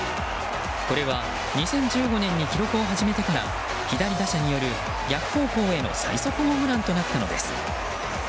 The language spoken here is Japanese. これは、２０１５年に記録を始めてから左打者による逆方向への最速ホームランとなったのです。